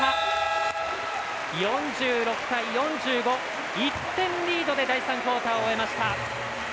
４６対４５１点リードで第３クオーターを終えました。